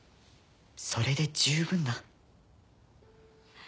それで十分だ。